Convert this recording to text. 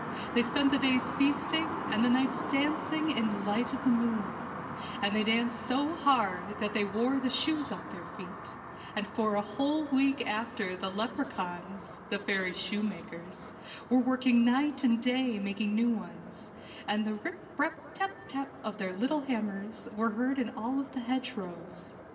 They spent the days feasting and the nights dancing in the light of the moon, and they danced so hard that they wore the shoes off their feet, and for a whole week after the leprechauns, the fairies' shoemakers, were working night and day mak ing new ones, and the rip, rap, tap, tap of their little hammers were heard in all the hedgerows.